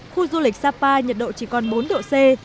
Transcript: khu du lịch sapa nhiệt độ chỉ còn bốn độ c